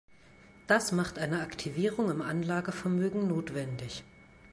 Das macht eine Aktivierung im Anlagevermögen notwendig.